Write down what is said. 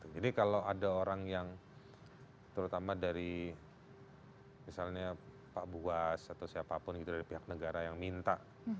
jadi kalau ada orang yang terutama dari misalnya pak buas atau siapapun dari pihak negara yang minta